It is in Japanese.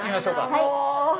はい。